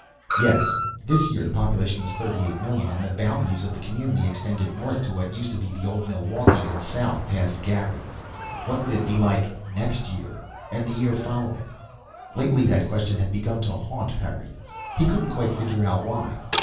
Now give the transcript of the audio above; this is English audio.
Yes, this year the population was 38,000,000, and the boundaries of the community extended north to what used to be the old Milwaukee and south past Gary. What would it be like next year, and the year following? Lately that question had begun to haunt Harry. He couldn't quite figure out why.